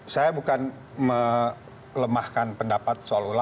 saya bukan melemahkan pendapat